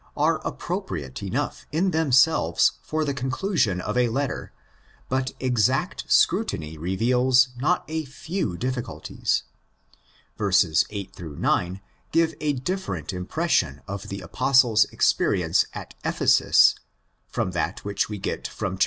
are appropriate enough in themselves for the conclusion of a letter, but exact scrutiny reveals not a few difficulties. Verses THE FIRST EPISTLE 171 8 9 give a different impression of the Apostle's experi ences at Ephesus from that which we get from xv.